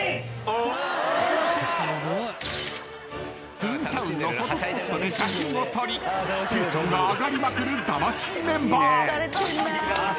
［トゥーンタウンのフォトスポットで写真を撮りテンションが上がりまくる魂メンバー］